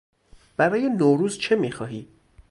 برای نوروز چه میخواهی؟